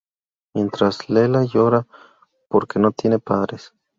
Mientras, Leela llora porque no tiene padres.